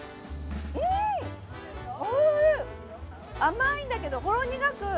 甘いんだけどほろ苦く